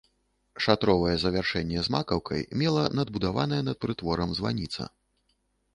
Шатровае завяршэнне з макаўкай мела надбудаваная над прытворам званіца.